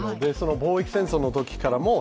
貿易戦争のときからも。